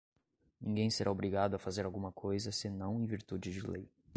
ninguém será obrigado a fazer alguma coisa senão em virtude de lei